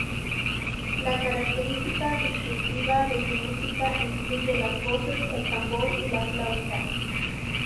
La característica distintiva de su música incluye las voces, el tambor y la flauta.